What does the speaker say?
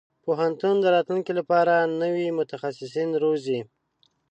پوهنتون د راتلونکي لپاره نوي متخصصين روزي.